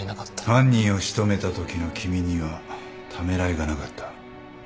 犯人を仕留めたときの君にはためらいがなかった。